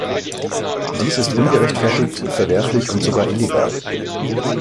Dies ist ungerechtfertigt, verwerflich und sogar illegal.